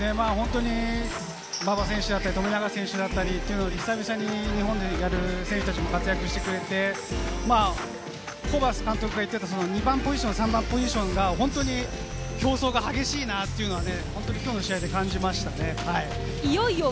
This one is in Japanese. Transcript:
馬場選手だったり富永選手だったり、久々に日本でやる選手たちも活躍してくれて、ホーバス監督が言ってた２番ポジション、３番ポジションが本当に競争が激しいなというのはきょうの試合で感じましたね。